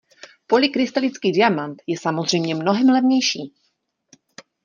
Polykrystalický diamat je samozřejmě mnohem levnější.